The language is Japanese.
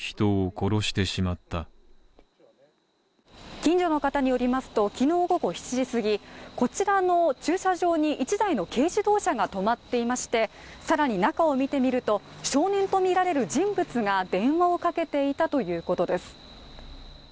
近所のかたによりますときのう午後７時すぎ駐車場に１台の軽自動車が止まっていまして、更に中を見てみると、少年とみられる人物が電話をかけていたということです。